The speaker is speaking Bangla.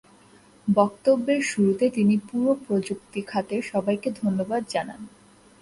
বক্তব্যের শুরুতে তিনি পুরো প্রযুক্তি খাতের সবাইকে ধন্যবাদ জানান।